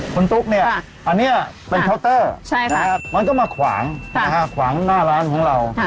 คุณตุ๊กเนี่ยอันนี้เป็นเคาน์เตอร์มันก็มาขวางขวางหน้าร้านของเรา